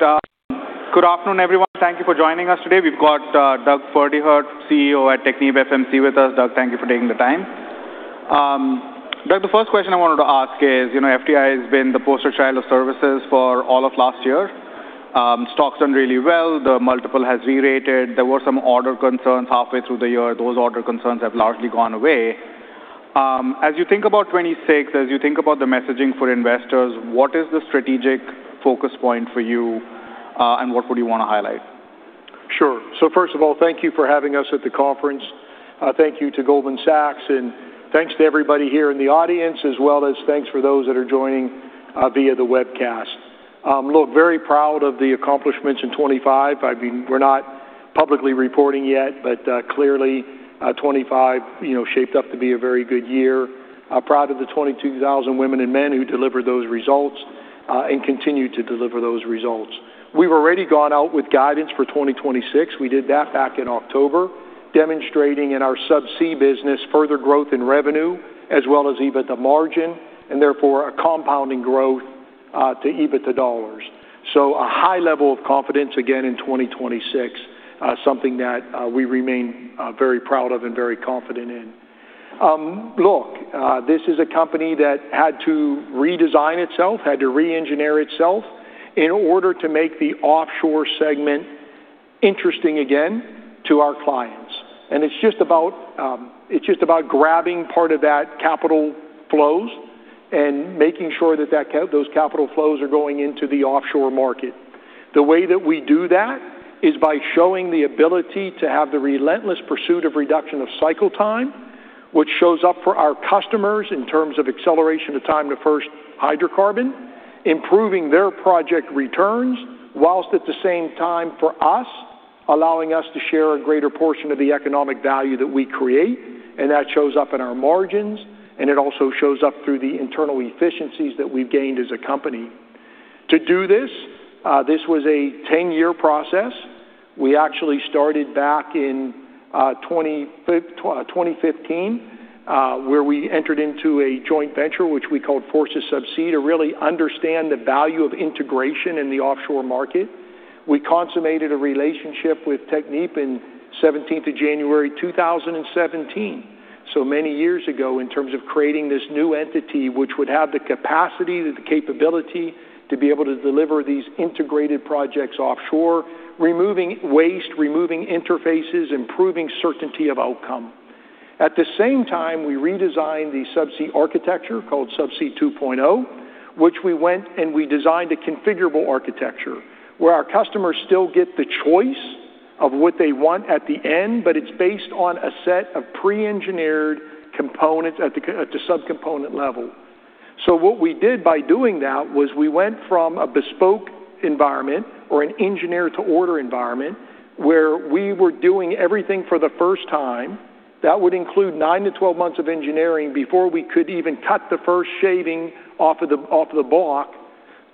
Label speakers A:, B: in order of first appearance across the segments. A: Hi, good afternoon, everyone. Thank you for joining us today. We've got Doug Pferdehirt, CEO at TechnipFMC, with us. Doug, thank you for taking the time. Doug, the first question I wanted to ask is, you know, FTI has been the poster child of services for all of last year. The stock's done really well. The multiple has re-rated. There were some order concerns halfway through the year. Those order concerns have largely gone away. As you think about 2026, as you think about the messaging for investors, what is the strategic focus point for you, and what would you want to highlight?
B: Sure. So first of all, thank you for having us at the conference. Thank you to Goldman Sachs, and thanks to everybody here in the audience, as well as thanks for those that are joining via the webcast. Look, very proud of the accomplishments in 2025. I mean, we're not publicly reporting yet, but clearly, 2025, you know, shaped up to be a very good year. Proud of the 22,000 women and men who delivered those results, and continue to deliver those results. We've already gone out with guidance for 2026. We did that back in October, demonstrating in our subsea business further growth in revenue, as well as EBITDA margin, and therefore a compounding growth to EBITDA dollars. So a high level of confidence again in 2026, something that we remain very proud of and very confident in. Look, this is a company that had to redesign itself, had to re-engineer itself in order to make the offshore segment interesting again to our clients. It's just about grabbing part of that capital flows and making sure that those capital flows are going into the offshore market. The way that we do that is by showing the ability to have the relentless pursuit of reduction of cycle time, which shows up for our customers in terms of acceleration of time to first hydrocarbon, improving their project returns, whilst at the same time for us, allowing us to share a greater portion of the economic value that we create. That shows up in our margins, and it also shows up through the internal efficiencies that we've gained as a company. To do this, this was a 10-year process. We actually started back in 2015, where we entered into a joint venture, which we called Forsys Subsea, to really understand the value of integration in the offshore market. We consummated a relationship with Technip in 17th of January 2017, so many years ago in terms of creating this new entity, which would have the capacity, the capability to be able to deliver these integrated projects offshore, removing waste, removing interfaces, improving certainty of outcome. At the same time, we redesigned the subsea architecture called Subsea 2.0, which we went and we designed a configurable architecture where our customers still get the choice of what they want at the end, but it's based on a set of pre-engineered components at the subcomponent level. So what we did by doing that was we went from a bespoke environment or an engineer-to-order environment where we were doing everything for the first time. That would include nine to 12 months of engineering before we could even cut the first shaving off of the block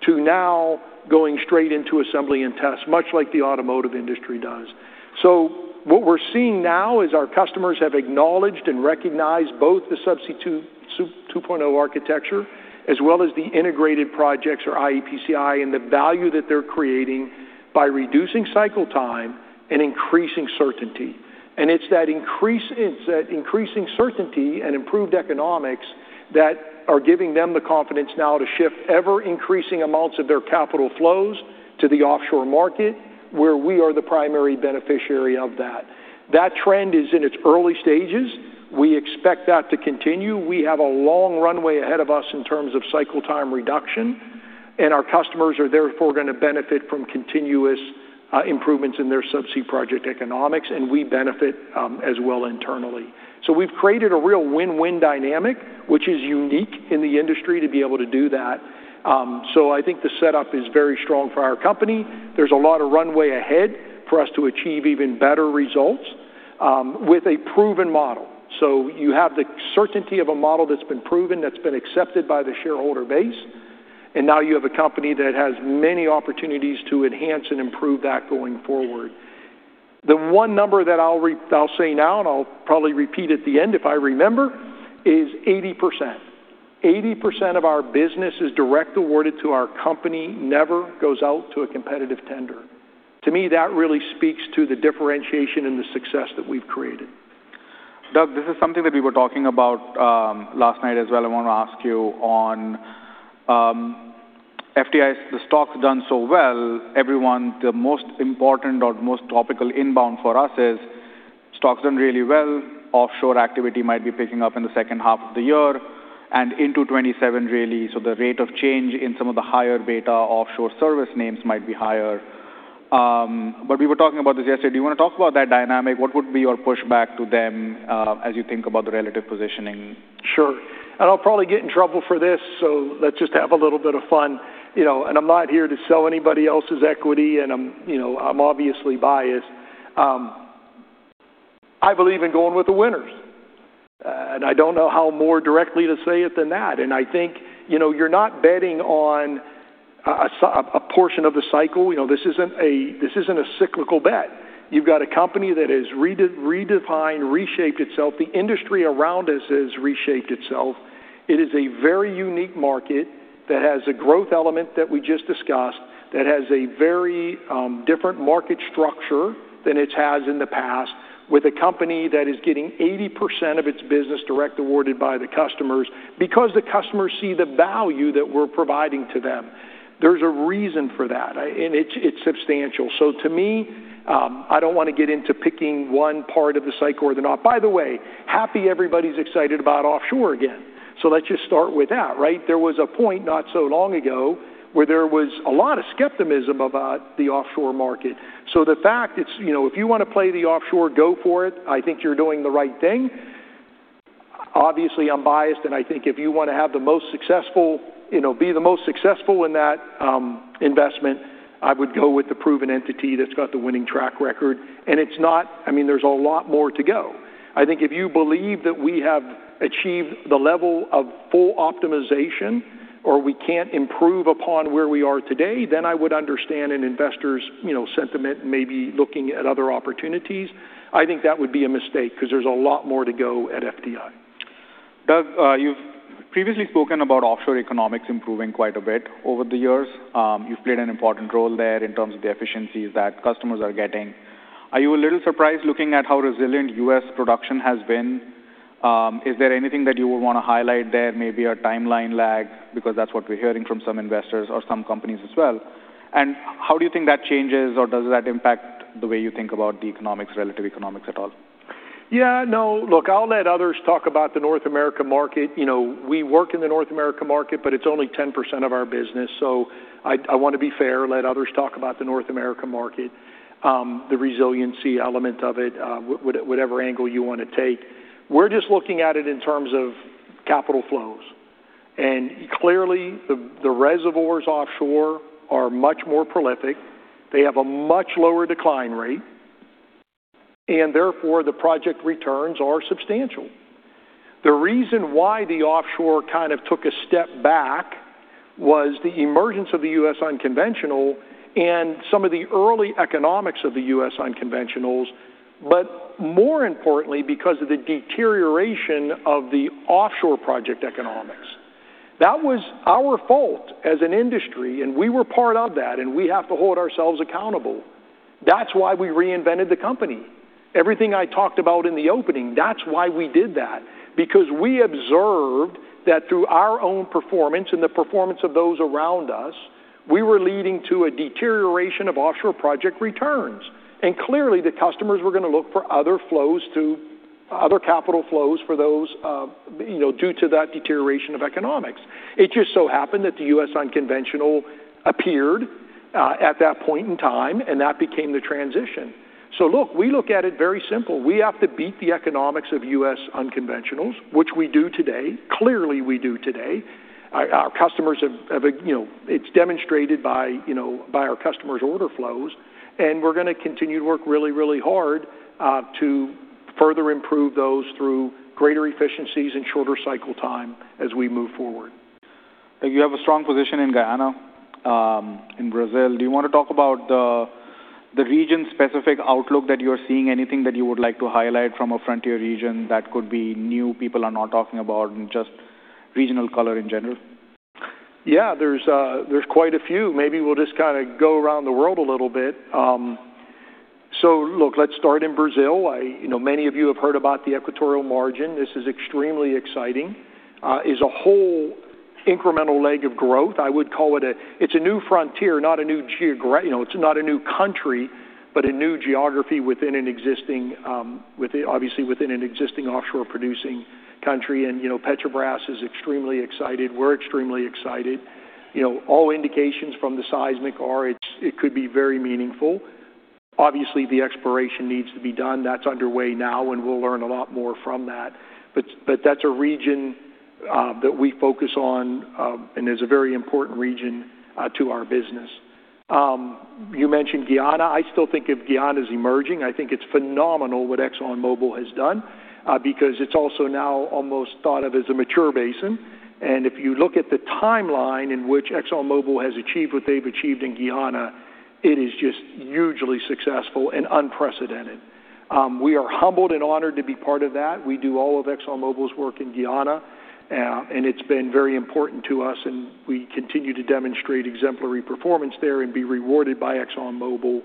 B: to now going straight into assembly and test, much like the automotive industry does. So what we're seeing now is our customers have acknowledged and recognized both the Subsea 2.0 architecture as well as the integrated projects or iEPCI and the value that they're creating by reducing cycle time and increasing certainty. And it's that increase, it's that increasing certainty and improved economics that are giving them the confidence now to shift ever-increasing amounts of their capital flows to the offshore market where we are the primary beneficiary of that. That trend is in its early stages. We expect that to continue. We have a long runway ahead of us in terms of cycle time reduction, and our customers are therefore gonna benefit from continuous improvements in their subsea project economics, and we benefit, as well internally. So we've created a real win-win dynamic, which is unique in the industry to be able to do that. So I think the setup is very strong for our company. There's a lot of runway ahead for us to achieve even better results, with a proven model. So you have the certainty of a model that's been proven, that's been accepted by the shareholder base, and now you have a company that has many opportunities to enhance and improve that going forward. The one number that I'll say now, and I'll probably repeat at the end if I remember, is 80%. 80% of our business is directly awarded to our company, never goes out to a competitive tender. To me, that really speaks to the differentiation and the success that we've created.
A: Doug, this is something that we were talking about last night as well. I want to ask you on FTI. The stock's done so well. Everyone, the most important or most topical inbound for us is stock's done really well. Offshore activity might be picking up in the second half of the year and into 2027, really. So the rate of change in some of the higher beta offshore service names might be higher. We were talking about this yesterday. Do you want to talk about that dynamic? What would be your pushback to them, as you think about the relative positioning?
B: Sure. And I'll probably get in trouble for this, so let's just have a little bit of fun. You know, and I'm not here to sell anybody else's equity, and I'm, you know, I'm obviously biased. I believe in going with the winners, and I don't know how more directly to say it than that, and I think, you know, you're not betting on a portion of the cycle. You know, this isn't a cyclical bet. You've got a company that has redefined, reshaped itself. The industry around us has reshaped itself. It is a very unique market that has a growth element that we just discussed that has a very different market structure than it has in the past, with a company that is getting 80% of its business directly awarded by the customers because the customers see the value that we're providing to them. There's a reason for that, and it's substantial. So to me, I don't want to get into picking one part of the cycle or not. By the way, happy. Everybody's excited about offshore again. So let's just start with that, right? There was a point not so long ago where there was a lot of skepticism about the offshore market. So the fact is, you know, if you want to play the offshore, go for it. I think you're doing the right thing. Obviously, I'm biased, and I think if you want to have the most successful, you know, be the most successful in that, investment, I would go with the proven entity that's got the winning track record, and it's not, I mean, there's a lot more to go. I think if you believe that we have achieved the level of full optimization or we can't improve upon where we are today, then I would understand an investor's, you know, sentiment and maybe looking at other opportunities. I think that would be a mistake because there's a lot more to go at FTI.
A: Doug, you've previously spoken about offshore economics improving quite a bit over the years. You've played an important role there in terms of the efficiencies that customers are getting. Are you a little surprised looking at how resilient U.S. production has been? Is there anything that you would want to highlight there, maybe a timeline lag, because that's what we're hearing from some investors or some companies as well, and how do you think that changes, or does that impact the way you think about the economics, relative economics at all?
B: Yeah, no, look. I'll let others talk about the North America market. You know, we work in the North America market, but it's only 10% of our business. So I, I want to be fair. Let others talk about the North America market, the resiliency element of it, what, whatever angle you want to take. We're just looking at it in terms of capital flows, and clearly, the, the reservoirs offshore are much more prolific. They have a much lower decline rate, and therefore the project returns are substantial. The reason why the offshore kind of took a step back was the emergence of the U.S. unconventional and some of the early economics of the U.S. unconventionals, but more importantly, because of the deterioration of the offshore project economics. That was our fault as an industry, and we were part of that, and we have to hold ourselves accountable. That's why we reinvented the company. Everything I talked about in the opening, that's why we did that, because we observed that through our own performance and the performance of those around us, we were leading to a deterioration of offshore project returns, and clearly, the customers were going to look for other flows to other capital flows for those, you know, due to that deterioration of economics. It just so happened that the U.S. unconventional appeared, at that point in time, and that became the transition, so look, we look at it very simple. We have to beat the economics of U.S. unconventionals, which we do today. Clearly, we do today. Our customers have, you know, it's demonstrated by, you know, our customers' order flows. We're going to continue to work really, really hard to further improve those through greater efficiencies and shorter cycle time as we move forward.
A: You have a strong position in Guyana, in Brazil. Do you want to talk about the region-specific outlook that you're seeing? Anything that you would like to highlight from a frontier region that could be new, people are not talking about, and just regional color in general?
B: Yeah, there's quite a few. Maybe we'll just kind of go around the world a little bit. So look, let's start in Brazil. I, you know, many of you have heard about the Equatorial Margin. This is extremely exciting, is a whole incremental leg of growth. I would call it a, it's a new frontier, not a new, you know, it's not a new country, but a new geography within an existing, within, obviously within an existing offshore producing country. And, you know, Petrobras is extremely excited. We're extremely excited. You know, all indications from the seismic are, it's, it could be very meaningful. Obviously, the exploration needs to be done. That's underway now, and we'll learn a lot more from that. But that's a region that we focus on, and is a very important region to our business. You mentioned Guyana. I still think of Guyana's emerging. I think it's phenomenal what ExxonMobil has done, because it's also now almost thought of as a mature basin. And if you look at the timeline in which ExxonMobil has achieved what they've achieved in Guyana, it is just hugely successful and unprecedented. We are humbled and honored to be part of that. We do all of ExxonMobil's work in Guyana, and it's been very important to us, and we continue to demonstrate exemplary performance there and be rewarded by ExxonMobil,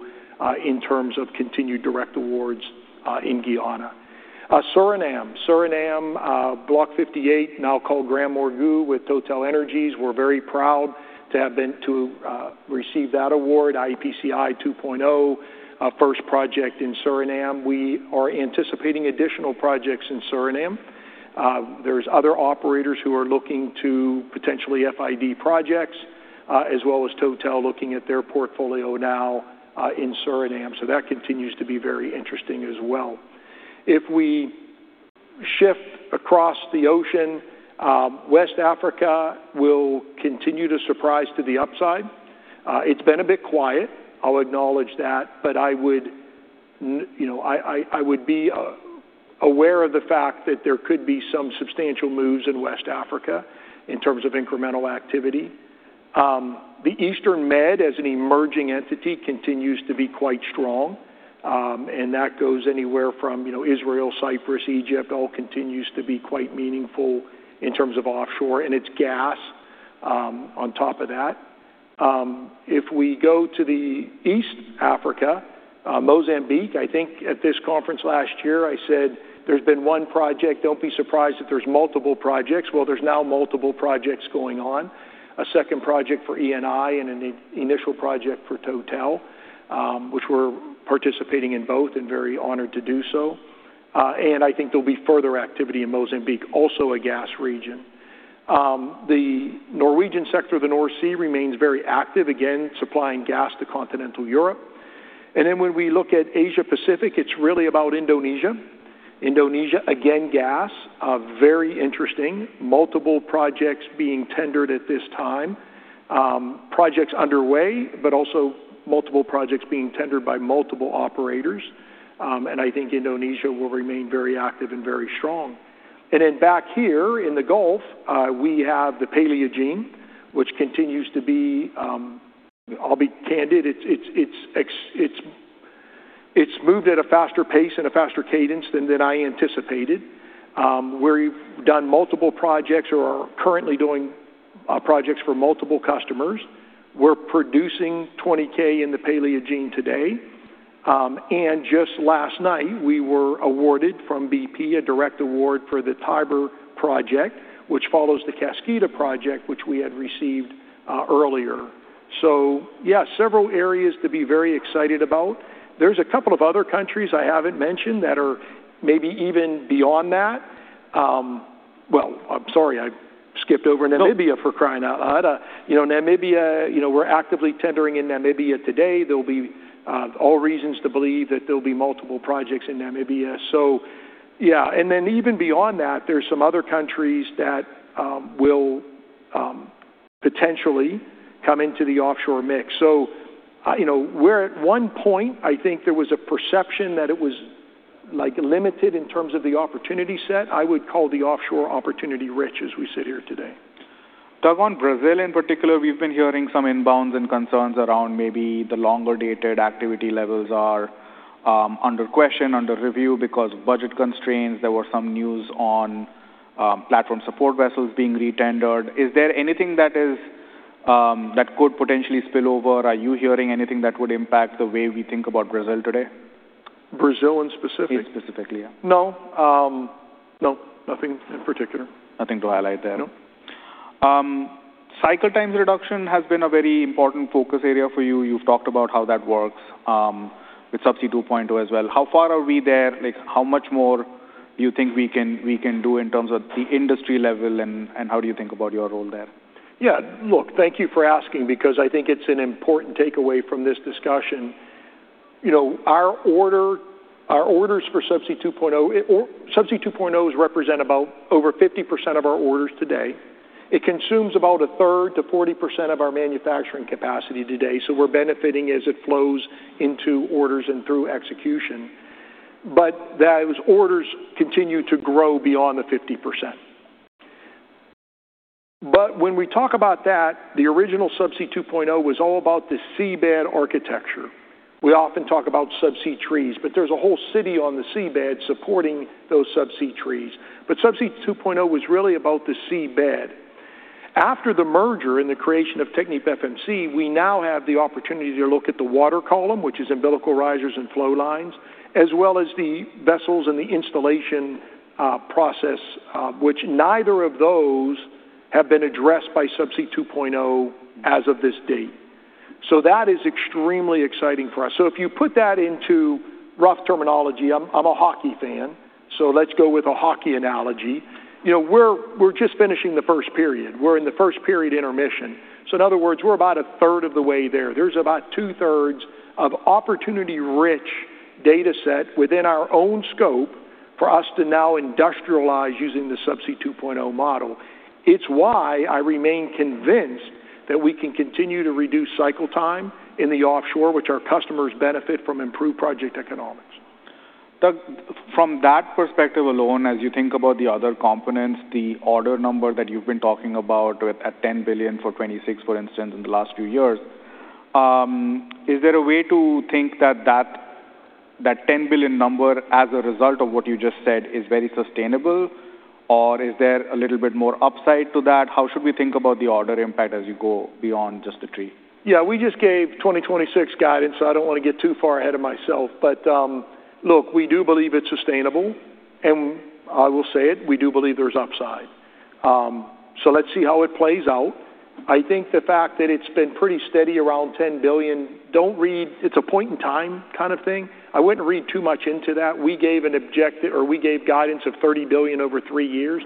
B: in terms of continued direct awards, in Guyana. Suriname, Block 58, now called GranMorgu with TotalEnergies. We're very proud to have been to receive that award, iEPCI 2.0, first project in Suriname. We are anticipating additional projects in Suriname. There's other operators who are looking to potentially FID projects, as well as Total looking at their portfolio now, in Suriname. So that continues to be very interesting as well. If we shift across the ocean, West Africa will continue to surprise to the upside. It's been a bit quiet, I'll acknowledge that, but I would, you know, be aware of the fact that there could be some substantial moves in West Africa in terms of incremental activity. The Eastern Med, as an emerging entity, continues to be quite strong. And that goes anywhere from, you know, Israel, Cyprus, Egypt; all continues to be quite meaningful in terms of offshore and its gas, on top of that. If we go to the East Africa, Mozambique, I think at this conference last year, I said there's been one project. Don't be surprised if there's multiple projects. Well, there's now multiple projects going on. A second project for ENI and an initial project for Total, which we're participating in both and very honored to do so. I think there'll be further activity in Mozambique, also a gas region. The Norwegian sector of the North Sea remains very active, again, supplying gas to continental Europe. Then when we look at Asia-Pacific, it's really about Indonesia. Indonesia, again, gas, very interesting, multiple projects being tendered at this time, projects underway, but also multiple projects being tendered by multiple operators. I think Indonesia will remain very active and very strong. Then back here in the Gulf, we have the Paleogene, which continues to be. I'll be candid, it's moved at a faster pace and a faster cadence than I anticipated. We've done multiple projects or are currently doing projects for multiple customers. We're producing 20K in the Paleogene today. And just last night, we were awarded from BP a direct award for the Tiber project, which follows the Kaskida project, which we had received earlier. So yeah, several areas to be very excited about. There's a couple of other countries I haven't mentioned that are maybe even beyond that. Well, I'm sorry, I skipped over Namibia for crying out loud. You know, Namibia, you know, we're actively tendering in Namibia today. There'll be all reasons to believe that there'll be multiple projects in Namibia. So yeah, and then even beyond that, there's some other countries that will potentially come into the offshore mix. So, you know, we're at one point, I think there was a perception that it was like limited in terms of the opportunity set. I would call the offshore opportunity rich as we sit here today.
A: Doug, on Brazil in particular, we've been hearing some inbounds and concerns around maybe the longer dated activity levels are under question, under review because of budget constraints. There were some news on platform support vessels being retendered. Is there anything that could potentially spill over? Are you hearing anything that would impact the way we think about Brazil today?
B: Brazil in specific?
A: Specifically, yeah.
B: No, no, nothing in particular.
A: Nothing to highlight there.
B: No.
A: Cycle times reduction has been a very important focus area for you. You've talked about how that works, with Subsea 2.0 as well. How far are we there? Like, how much more do you think we can, we can do in terms of the industry level and, and how do you think about your role there?
B: Yeah, look, thank you for asking because I think it's an important takeaway from this discussion. You know, our order, our orders for Subsea 2.0, Subsea 2.0s represent about over 50% of our orders today. It consumes about a third to 40% of our manufacturing capacity today. So we're benefiting as it flows into orders and through execution. But those orders continue to grow beyond the 50%. But when we talk about that, the original Subsea 2.0 was all about the seabed architecture. We often talk about subsea trees, but there's a whole city on the seabed supporting those subsea trees. But Subsea 2.0 was really about the seabed. After the merger and the creation of TechnipFMC, we now have the opportunity to look at the water column, which is umbilical risers and flow lines, as well as the vessels and the installation, process, which neither of those have been addressed by Subsea 2.0 as of this date. So that is extremely exciting for us. So if you put that into rough terminology, I'm, I'm a hockey fan, so let's go with a hockey analogy. You know, we're, we're just finishing the first period. We're in the first period intermission. So in other words, we're about a third of the way there. There's about two-thirds of opportunity rich data set within our own scope for us to now industrialize using the Subsea 2.0 model. It's why I remain convinced that we can continue to reduce cycle time in the offshore, which our customers benefit from improved project economics.
A: Doug, from that perspective alone, as you think about the other components, the order number that you've been talking about with at $10 billion for 2026, for instance, in the last few years, is there a way to think that that, that $10 billion number as a result of what you just said is very sustainable, or is there a little bit more upside to that? How should we think about the order impact as you go beyond just the tree?
B: Yeah, we just gave 2026 guidance, so I don't want to get too far ahead of myself, but, look, we do believe it's sustainable, and I will say it, we do believe there's upside, so let's see how it plays out. I think the fact that it's been pretty steady around $10 billion. Don't read; it's a point in time kind of thing. I wouldn't read too much into that. We gave an objective or we gave guidance of $30 billion over three years.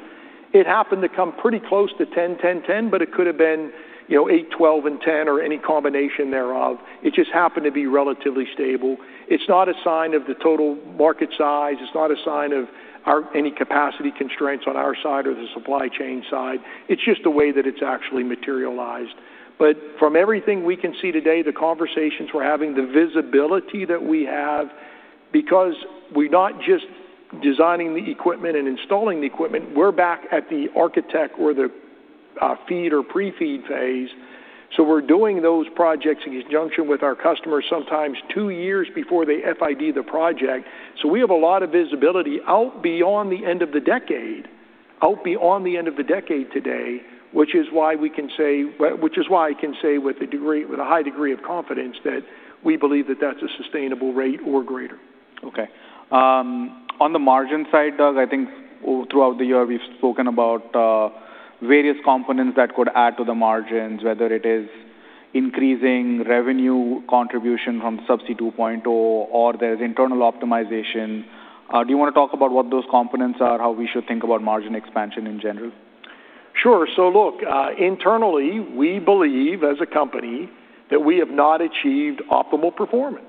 B: It happened to come pretty close to $10 billion, $10 billion, $10 billion, but it could have been, you know, $8 billion, $12 billion, and $10 billion or any combination thereof. It just happened to be relatively stable. It's not a sign of the total market size. It's not a sign of our or any capacity constraints on our side or the supply chain side. It's just the way that it's actually materialized. But from everything we can see today, the conversations we're having, the visibility that we have, because we're not just designing the equipment and installing the equipment, we're back at the architecture or the FEED or pre-FEED phase. So we're doing those projects in conjunction with our customers sometimes two years before they FID the project. So we have a lot of visibility out beyond the end of the decade today, which is why I can say with a high degree of confidence that we believe that that's a sustainable rate or greater.
A: Okay. On the margin side, Doug, I think throughout the year we've spoken about various components that could add to the margins, whether it is increasing revenue contribution from Subsea 2.0 or there's internal optimization. Do you want to talk about what those components are, how we should think about margin expansion in general?
B: Sure. So look, internally, we believe as a company that we have not achieved optimal performance.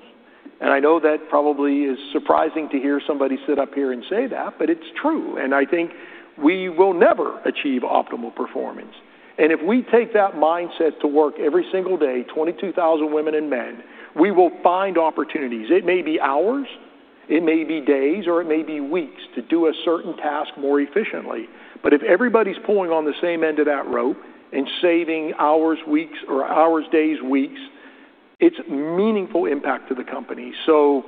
B: And I know that probably is surprising to hear somebody sit up here and say that, but it's true. And I think we will never achieve optimal performance. And if we take that mindset to work every single day, 22,000 women and men, we will find opportunities. It may be hours, it may be days, or it may be weeks to do a certain task more efficiently. But if everybody's pulling on the same end of that rope and saving hours, days, or weeks, it's a meaningful impact to the company. So,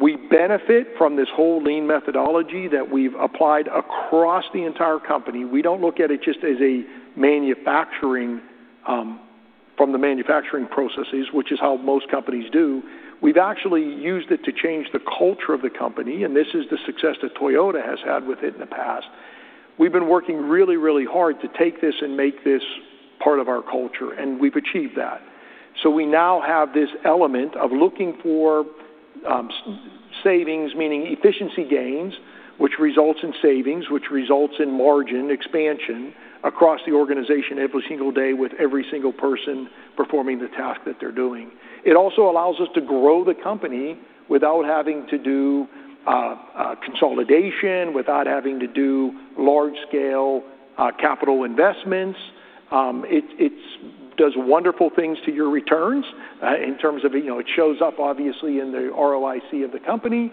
B: we benefit from this whole lean methodology that we've applied across the entire company. We don't look at it just as a manufacturing, from the manufacturing processes, which is how most companies do. We've actually used it to change the culture of the company, and this is the success that Toyota has had with it in the past. We've been working really, really hard to take this and make this part of our culture, and we've achieved that. So we now have this element of looking for savings, meaning efficiency gains, which results in savings, which results in margin expansion across the organization every single day with every single person performing the task that they're doing. It also allows us to grow the company without having to do consolidation, without having to do large-scale capital investments. It, it does wonderful things to your returns, in terms of, you know, it shows up obviously in the ROIC of the company,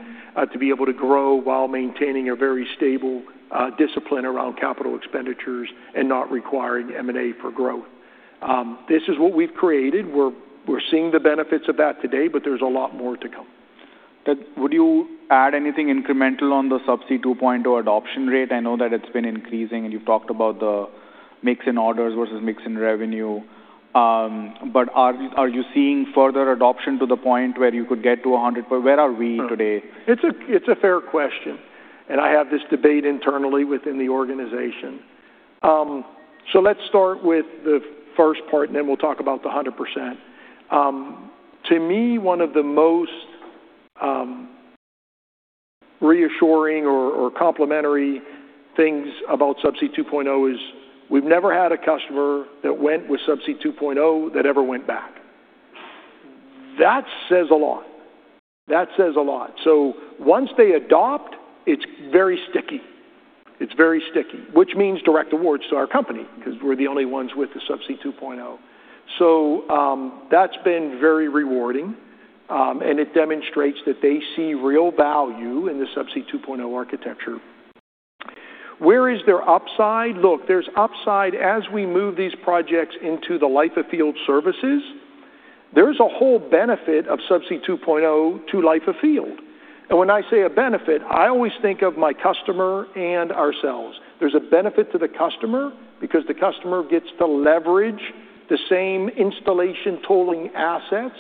B: to be able to grow while maintaining a very stable discipline around capital expenditures and not requiring M&A for growth. This is what we've created. We're seeing the benefits of that today, but there's a lot more to come.
A: Doug, would you add anything incremental on the Subsea 2.0 adoption rate? I know that it's been increasing and you've talked about the mix in orders versus mix in revenue, but are you seeing further adoption to the point where you could get to 100%? Where are we today?
B: It's a fair question, and I have this debate internally within the organization. So let's start with the first part and then we'll talk about the 100%. To me, one of the most reassuring or complimentary things about Subsea 2.0 is we've never had a customer that went with Subsea 2.0 that ever went back. That says a lot. That says a lot. So once they adopt, it's very sticky. It's very sticky, which means direct awards to our company because we're the only ones with the Subsea 2.0. So, that's been very rewarding, and it demonstrates that they see real value in the Subsea 2.0 architecture. Where is their upside? Look, there's upside as we move these projects into the Life of Field services. There's a whole benefit of Subsea 2.0 to Life of Field. When I say a benefit, I always think of my customer and ourselves. There's a benefit to the customer because the customer gets to leverage the same installation tooling assets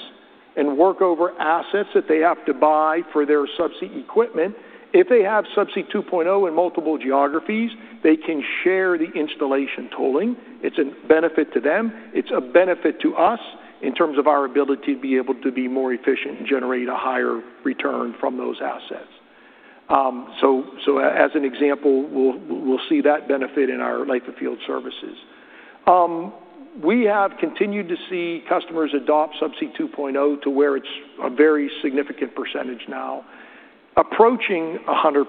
B: and work over assets that they have to buy for their Subsea equipment. If they have Subsea 2.0 in multiple geographies, they can share the installation tooling. It's a benefit to them. It's a benefit to us in terms of our ability to be able to be more efficient and generate a higher return from those assets. So as an example, we'll see that benefit in our Life of Field services. We have continued to see customers adopt Subsea 2.0 to where it's a very significant percentage now, approaching 100%.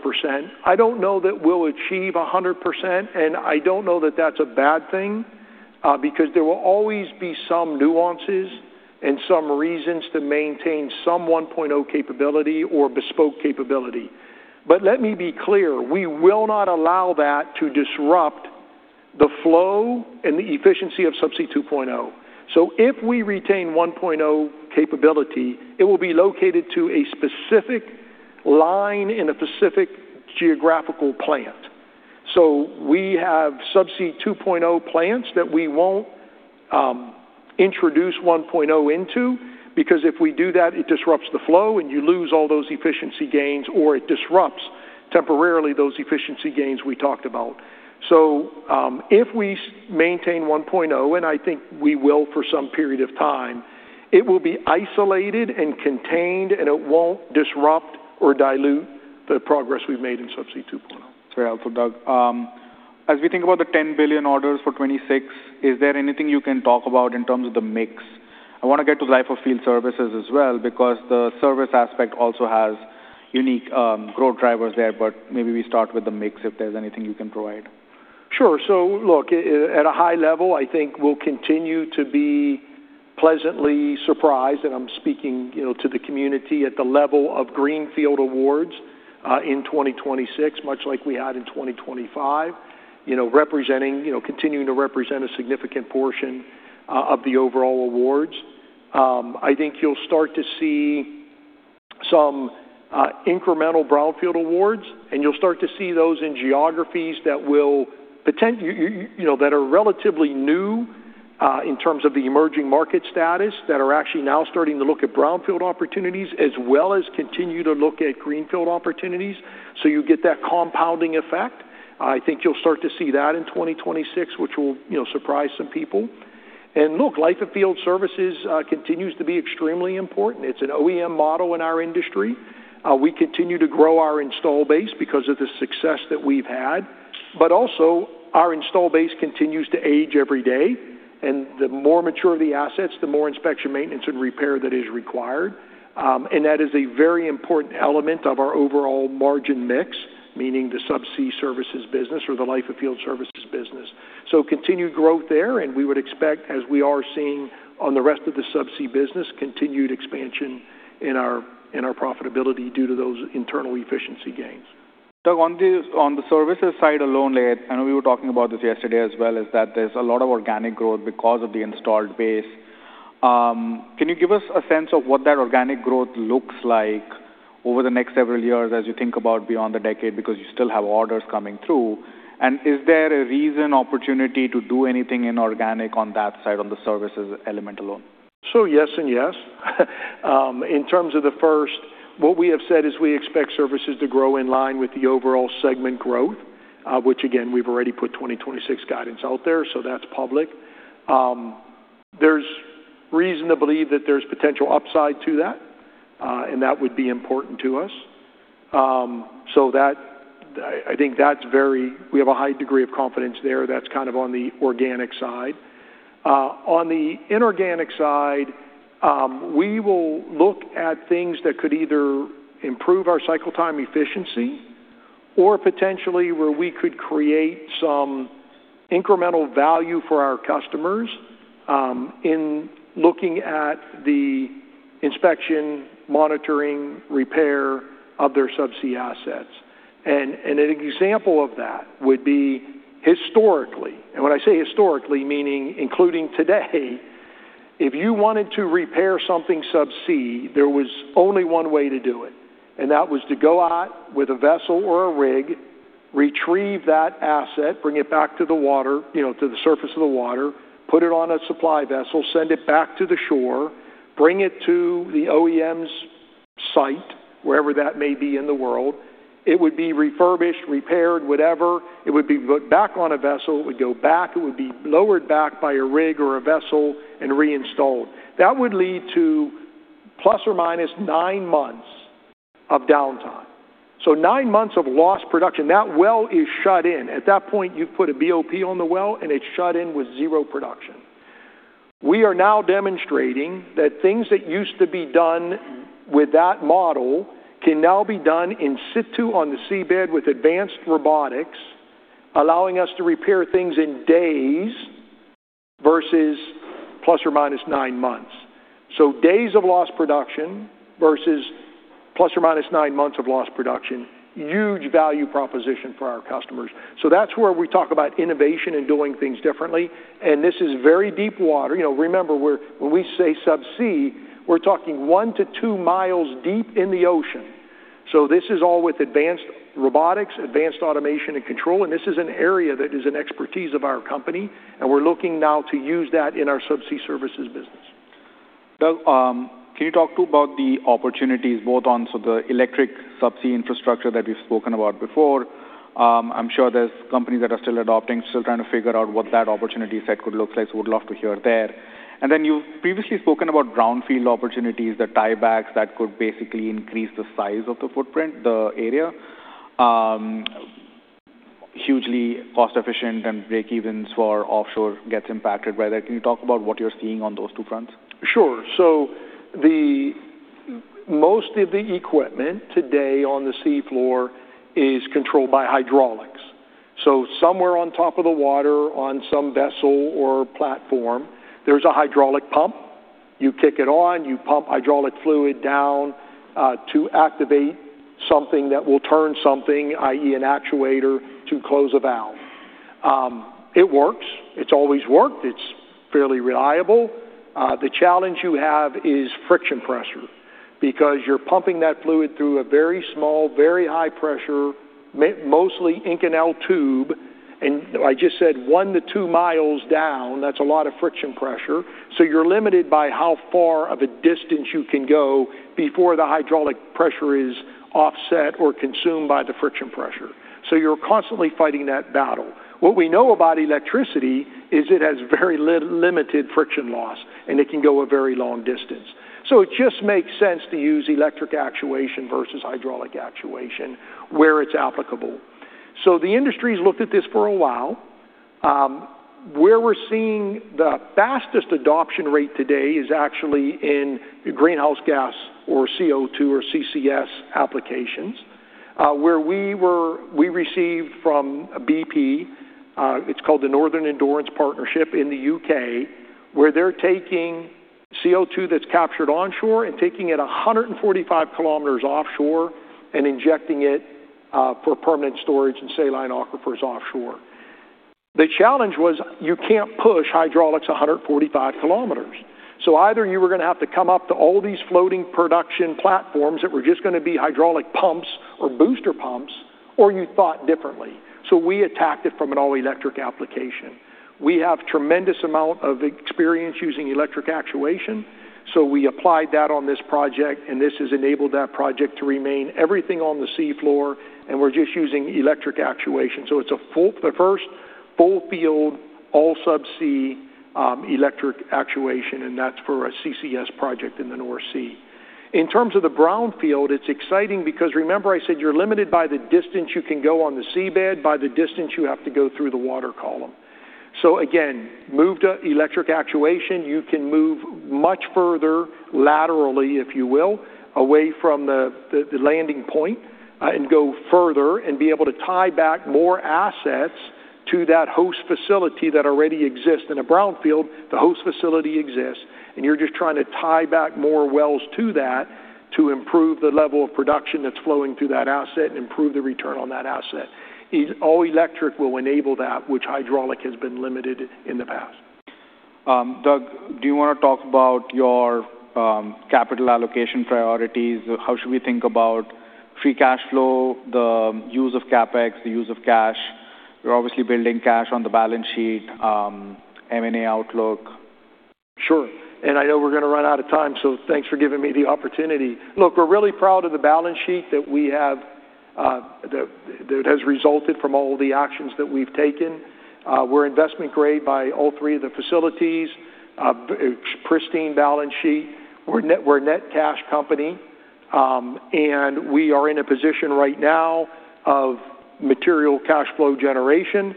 B: I don't know that we'll achieve 100%, and I don't know that that's a bad thing, because there will always be some nuances and some reasons to maintain some 1.0 capability or bespoke capability. But let me be clear, we will not allow that to disrupt the flow and the efficiency of Subsea 2.0. So if we retain 1.0 capability, it will be located to a specific line in a specific geographic plant. So we have Subsea 2.0 plants that we won't, introduce 1.0 into because if we do that, it disrupts the flow and you lose all those efficiency gains or it disrupts temporarily those efficiency gains we talked about. So, if we maintain 1.0, and I think we will for some period of time, it will be isolated and contained and it won't disrupt or dilute the progress we've made in Subsea 2.0.
A: Fair answer, Doug. As we think about the $10 billion orders for 26, is there anything you can talk about in terms of the mix? I want to get to Life of Field services as well because the service aspect also has unique growth drivers there, but maybe we start with the mix if there's anything you can provide.
B: Sure. So look, at a high level, I think we'll continue to be pleasantly surprised, and I'm speaking, you know, to the community at the level of greenfield awards in 2026, much like we had in 2025, you know, representing, you know, continuing to represent a significant portion of the overall awards. I think you'll start to see some incremental brownfield awards, and you'll start to see those in geographies that will potentially, you know, that are relatively new in terms of the emerging market status that are actually now starting to look at brownfield opportunities as well as continue to look at greenfield opportunities, so you get that compounding effect. I think you'll start to see that in 2026, which will, you know, surprise some people, and look, Life of Field services continues to be extremely important. It's an OEM model in our industry. We continue to grow our install base because of the success that we've had, but also our install base continues to age every day. And the more mature the assets, the more inspection, maintenance, and repair that is required. And that is a very important element of our overall margin mix, meaning the Subsea services business or the Life of Field services business. So continued growth there, and we would expect, as we are seeing on the rest of the Subsea business, continued expansion in our profitability due to those internal efficiency gains.
A: Doug, on the services side alone, I know we were talking about this yesterday as well. Is that there's a lot of organic growth because of the installed base? Can you give us a sense of what that organic growth looks like over the next several years as you think about beyond the decade because you still have orders coming through? And is there a reason, opportunity to do anything in organic on that side, on the services element alone?
B: So yes and yes. In terms of the first, what we have said is we expect services to grow in line with the overall segment growth, which again, we've already put 2026 guidance out there, so that's public. There's reason to believe that there's potential upside to that, and that would be important to us. So that, I think that's very, we have a high degree of confidence there that's kind of on the organic side. On the inorganic side, we will look at things that could either improve our cycle time efficiency or potentially where we could create some incremental value for our customers, in looking at the inspection, monitoring, repair of their subsea assets. An example of that would be historically, and when I say historically, meaning including today, if you wanted to repair something subsea, there was only one way to do it, and that was to go out with a vessel or a rig, retrieve that asset, bring it back to the water, you know, to the surface of the water, put it on a supply vessel, send it back to the shore, bring it to the OEM's site, wherever that may be in the world. It would be refurbished, repaired, whatever. It would be put back on a vessel. It would go back. It would be lowered back by a rig or a vessel and reinstalled. That would lead to plus or minus nine months of downtime. So nine months of lost production. That well is shut in. At that point, you've put a BOP on the well and it's shut in with zero production. We are now demonstrating that things that used to be done with that model can now be done in situ on the seabed with advanced robotics, allowing us to repair things in days versus plus or minus nine months. So days of lost production versus plus or minus nine months of lost production, huge value proposition for our customers. So that's where we talk about innovation and doing things differently. And this is very deep water. You know, remember we're, when we say Subsea, we're talking one to two miles deep in the ocean. So this is all with advanced robotics, advanced automation, and control. And this is an area that is an expertise of our company. And we're looking now to use that in our Subsea services business.
A: Doug, can you talk to about the opportunities both on, so the electric subsea infrastructure that we've spoken about before? I'm sure there's companies that are still adopting, still trying to figure out what that opportunity set could look like. So we'd love to hear there. And then you've previously spoken about brownfield opportunities, the tiebacks that could basically increase the size of the footprint, the area, hugely cost-efficient and breakevens for offshore gets impacted by that. Can you talk about what you're seeing on those two fronts?
B: Sure. So the most of the equipment today on the seafloor is controlled by hydraulics. So somewhere on top of the water, on some vessel or platform, there's a hydraulic pump. You kick it on, you pump hydraulic fluid down, to activate something that will turn something, i.e., an actuator to close a valve. It works. It's always worked. It's fairly reliable. The challenge you have is friction pressure because you're pumping that fluid through a very small, very high pressure, mostly Inconel tube. And I just said one to two miles down, that's a lot of friction pressure. So you're limited by how far of a distance you can go before the hydraulic pressure is offset or consumed by the friction pressure. So you're constantly fighting that battle. What we know about electricity is it has very limited friction loss and it can go a very long distance. So it just makes sense to use electric actuation versus hydraulic actuation where it's applicable. So the industry's looked at this for a while. Where we're seeing the fastest adoption rate today is actually in greenhouse gas or CO2 or CCS applications, where we received from BP. It's called the Northern Endurance Partnership in the U.K., where they're taking CO2 that's captured onshore and taking it 145 kilometers offshore and injecting it for permanent storage in saline aquifers offshore. The challenge was you can't push hydraulics 145 kilometers. So either you were going to have to come up to all these floating production platforms that were just going to be hydraulic pumps or booster pumps, or you thought differently. So we attacked it from an all-electric application. We have a tremendous amount of experience using electric actuation. So we applied that on this project and this has enabled that project to remain everything on the seafloor and we're just using electric actuation. So it's a full, the first full field, all subsea, electric actuation, and that's for a CCS project in the North Sea. In terms of the brownfield, it's exciting because remember I said you're limited by the distance you can go on the seabed, by the distance you have to go through the water column. So again, moved to electric actuation, you can move much further laterally, if you will, away from the landing point, and go further and be able to tieback more assets to that host facility that already exists in a brownfield. The host facility exists, and you're just trying to tie back more wells to that to improve the level of production that's flowing through that asset and improve the return on that asset. All electric will enable that, which hydraulic has been limited in the past.
A: Doug, do you want to talk about your capital allocation priorities? How should we think about free cash flow, the use of CapEx, the use of cash? You're obviously building cash on the balance sheet, M&A outlook.
B: Sure. And I know we're going to run out of time, so thanks for giving me the opportunity. Look, we're really proud of the balance sheet that we have, that has resulted from all the actions that we've taken. We're investment grade by all three of the agencies, pristine balance sheet. We're a net cash company, and we are in a position right now of material cash flow generation.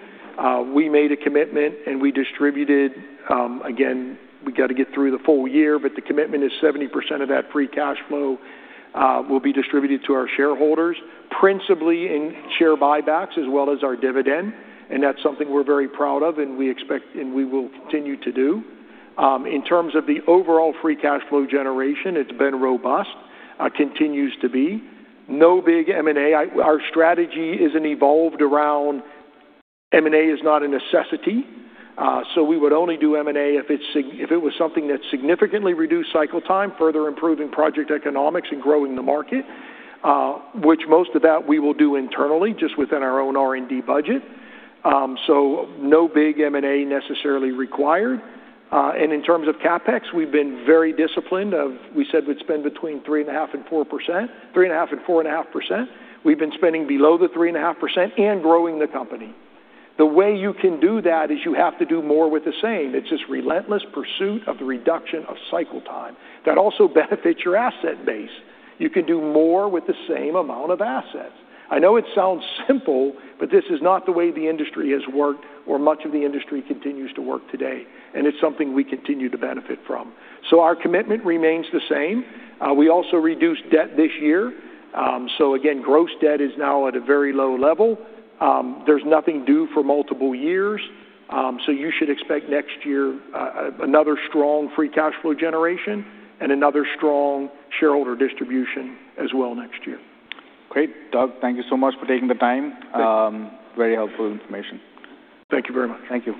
B: We made a commitment and we distributed. Again, we got to get through the full year, but the commitment is 70% of that free cash flow will be distributed to our shareholders principally in share buybacks as well as our dividend. And that's something we're very proud of and we expect and we will continue to do. In terms of the overall free cash flow generation, it's been robust, continues to be. No big M&A. Our strategy isn't evolved around M&A. It is not a necessity. So we would only do M&A if it was something that significantly reduced cycle time, further improving project economics and growing the market, which most of that we will do internally just within our own R&D budget. So no big M&A necessarily required. And in terms of CapEx, we've been very disciplined. We said we'd spend between 3.5% and 4%, 3.5% and 4.5%. We've been spending below the 3.5% and growing the company. The way you can do that is you have to do more with the same. It's this relentless pursuit of the reduction of cycle time that also benefits your asset base. You can do more with the same amount of assets. I know it sounds simple, but this is not the way the industry has worked or much of the industry continues to work today. And it's something we continue to benefit from. So our commitment remains the same. We also reduced debt this year. So again, gross debt is now at a very low level. There's nothing due for multiple years. So you should expect next year, another strong free cash flow generation and another strong shareholder distribution as well next year.
A: Great. Doug, thank you so much for taking the time. Very helpful information.
B: Thank you very much.
A: Thank you.